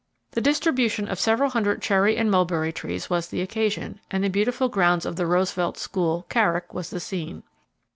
The distribution of several hundred cherry and mulberry trees was the occasion, and the beautiful grounds of the Roosevelt school, Carrick, was the scene.